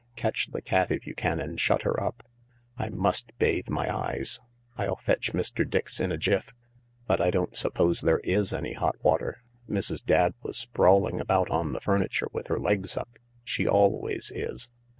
Catch the cat if you can and shut her up. I must bathe my eyes. I'll fetch Mr. Dix in a jiff. But I don't suppose there is any hot water. Mrs. Dadd was sprawling about on the furniture with her legs up. She always is."